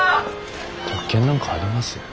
特権なんかあります？